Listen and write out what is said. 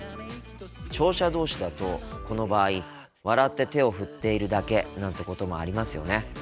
聴者同士だとこの場合笑って手をふっているだけなんてこともありますよね。